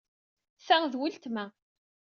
Ta d weltma.